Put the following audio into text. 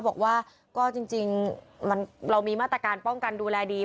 บอกว่าก็จริงเรามีมาตรการป้องกันดูแลดี